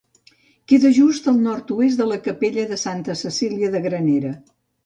Queda just al nord-oest de la capella de Santa Cecília de Granera.